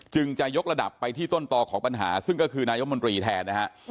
จะยกระดับไปที่ต้นต่อของปัญหาซึ่งก็คือนายกมนตรีแทนนะฮะ